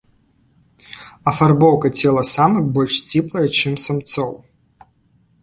Афарбоўка цела самак больш сціплая, чым самцоў.